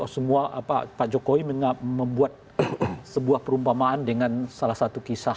semua pak jokowi membuat sebuah perumpamaan dengan salah satu kisah